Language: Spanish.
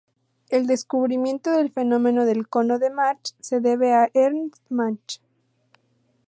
El descubrimiento del fenómeno del cono de Mach se debe a Ernst Mach.